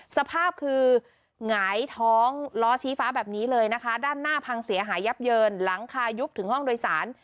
สภาพคือหงายท้องล้อชี้ฟ้าแบบนี้เลยนะคะด้านหน้าพังเสียหายยับเยินหลังคายุบถึงห้องโดยสาร